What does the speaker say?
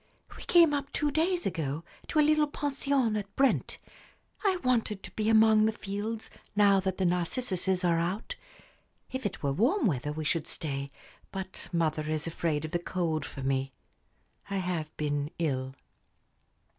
"We came up two days ago to a little pension at Brent. I wanted to be among the fields, now the narcissuses are out. If it were warm weather we should stay, but mother is afraid of the cold for me. I have been ill."